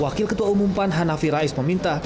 wakil ketua umum pan hanafi rais meminta